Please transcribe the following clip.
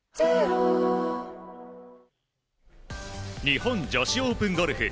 日本女子オープンゴルフ。